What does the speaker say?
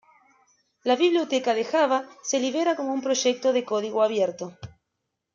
La biblioteca de Java se libera como un proyecto de código abierto.